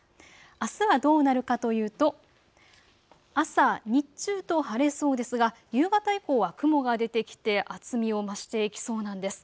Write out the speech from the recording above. あすはどうなるかというと朝、日中と晴れそうですが夕方以降は雲が出てきて厚みを増していきそうなんです。